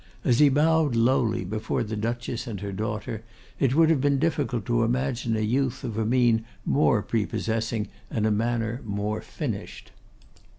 As he bowed lowly before the Duchess and her daughter, it would have been difficult to imagine a youth of a mien more prepossessing and a manner more finished.